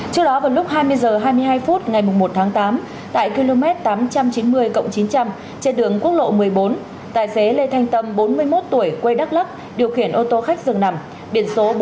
trước đó vào lúc hai mươi h hai mươi hai phút ngày một tháng tám tại km tám trăm chín mươi chín trăm linh trên đường quốc lộ một mươi bốn tài xế lê thanh tâm bốn mươi một tuổi quê đắk lắk điều khiển ô tô khách dường nằm biển số bốn mươi bảy b chín trăm tám mươi năm